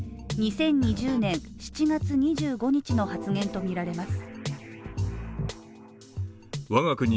２０２０年７月２５日の発言と見られます。